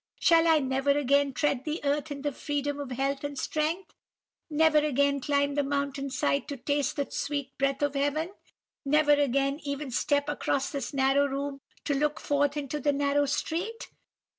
'Shall I never again tread the earth in the freedom of health and strength? never again climb the mountain side to taste the sweet breath of heaven? never again even step across this narrow room, to look forth into the narrow street?